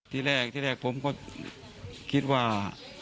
ที่แรกผมก็คิดว่า